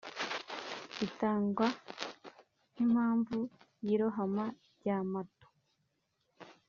itangwa nk’impamvu y’irohama ry’amato